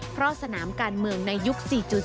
เพราะสนามการเมืองในยุค๔๐